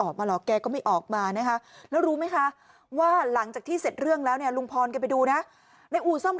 อ้อฟ้าอ้อฟ้าอ้อฟ้าอ้อฟ้าอ้อฟ้าอ้อฟ้าอ้อฟ้าอ้อฟ้าอ้อฟ้าอ้อฟ้า